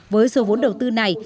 với số vốn đầu tư này